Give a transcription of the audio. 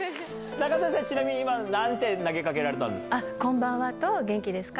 中谷さん、ちなみに今、なんて投げかけられたんですか？